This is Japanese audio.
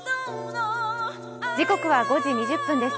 時刻は５時２０分です。